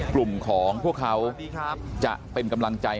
กลุ่มของพวกเขาจะเป็นกำลังใจ